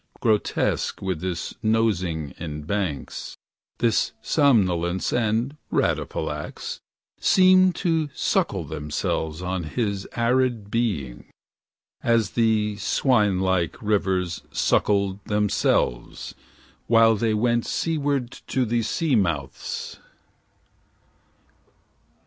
Grotesque with this nosing in banks. This somnolence and rattapallax. Seemed to suckle themselves on his arid being. As the swine like rivers suckled themselves While they went seaward to the sea mouths.